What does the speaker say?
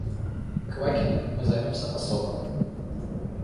Квакиным мы займемся особо.